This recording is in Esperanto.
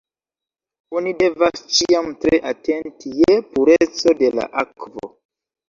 Oni devas ĉiam tre atenti je pureco de la akvo.